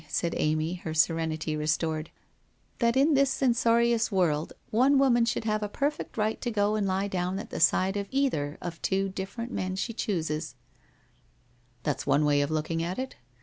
' said Amy, her serenity restored, ' that in this censorious world, one woman should have a perfect right to go and lie down at the side of either of two different men she chooses/ 1 That's one way of looking at it.